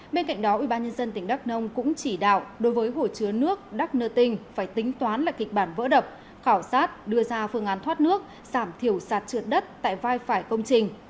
bên cạnh đó ubnd tỉnh đắk nông cũng chỉ đạo đối với hồ chứa nước đắk nơ tinh phải tính toán lại kịch bản vỡ đập khảo sát đưa ra phương án thoát nước giảm thiểu sạt trượt đất tại vai phải công trình